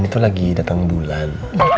ini tuh lagi datang bulan